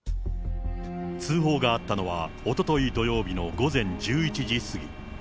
通報があったのはおととい土曜日の午前１１時過ぎ。